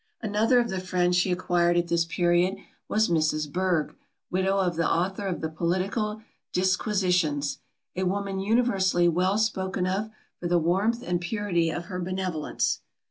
Another of the friends she acquired at this period, was Mrs. Burgh, widow of the author of the Political Disquisitions, a woman universally well spoken of for the warmth and purity of her benevolence.